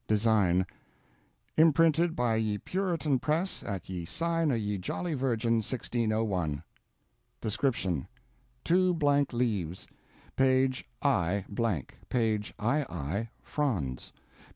[design] Imprinted by Ye Puritan Press At Ye Sign of Ye Jolly Virgin 1601. DESCRIPTION: 2 blank leaves; p. [i] blank, p. [ii] fronds., p.